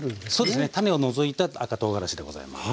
種を除いた赤とうがらしでございます。